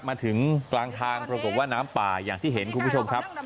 มาถึงกลางทางปรากฏว่าน้ำป่าอย่างที่เห็นคุณผู้ชมครับ